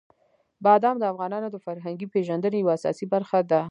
بادام د افغانانو د فرهنګي پیژندنې یوه اساسي برخه ده.